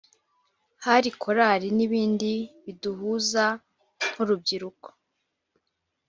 hari korali n’ibindi biduhuza nk’urubyiruko